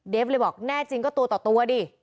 เลยบอกแน่จริงก็ตัวต่อตัวดิ